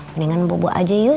mendingan bobo aja yuk